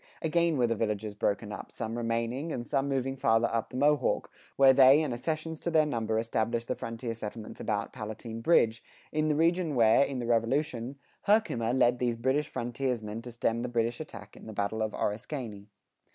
Again were the villages broken up, some remaining and some moving farther up the Mohawk, where they and accessions to their number established the frontier settlements about Palatine Bridge, in the region where, in the Revolution, Herkimer led these German frontiersmen to stem the British attack in the battle of Oriskany.